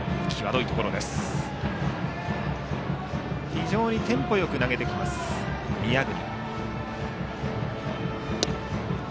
非常にテンポよく投げてきます、宮國。